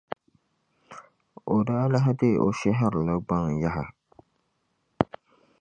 O daa lahi deei o shɛhirili gbaŋ yaha